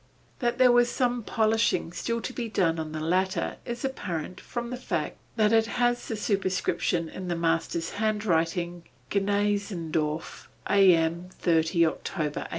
That there was some polishing still to be done on the latter is apparent from the fact that it has the superscription in the master's handwriting, "Gneixendorf am 30 Oktober 1826."